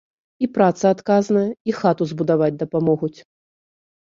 І праца адказная, і хату збудаваць дапамогуць.